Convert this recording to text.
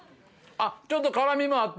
ちょっと辛みもあって。